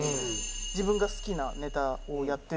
自分が好きなネタをやってるし。